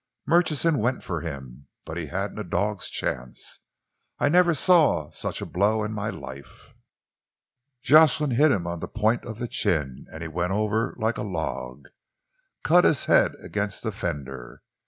"Murchison went for him, but he hadn't a dog's chance. I never saw such a blow in my life. Jocelyn hit him on the point of the chin and he went over like a log cut his head against the fender.